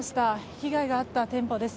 被害があった店舗です。